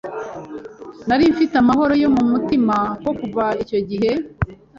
nari mfite amahoro yo mu mutima kuko kuva icyo gihe